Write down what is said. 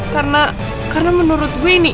karena menurut gue ini